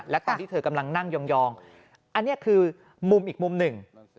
และตอนที่เธอกำลังนั่งยองอันนี้คือมุมอีกมุมหนึ่ง